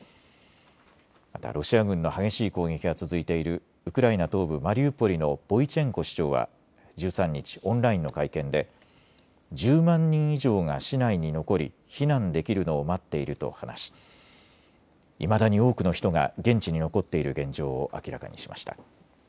またロシア軍の激しい攻撃が続いているウクライナ東部マリウポリのボイチェンコ市長は１３日、オンラインの会見で１０万人以上が市内に残り避難できるのを待っていると話しいまだに多くの人が現地に残っている現状を明らかにしました。